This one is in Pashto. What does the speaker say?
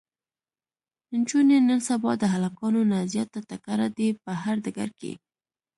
انجونې نن سبا د هلکانو نه زياته تکړه دي په هر ډګر کې